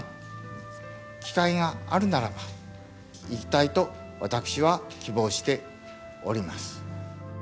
機会があるならば、行きたいと私は希望しております。